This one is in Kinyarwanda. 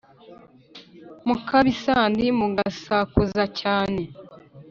mukaba isandi: mugasakuza cyane;